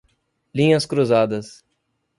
Linhas cruzadas